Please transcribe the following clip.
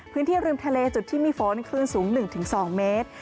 พื้นที่ริมทะเลจุดที่มีฝนคลื่นสูง๑๒เมตร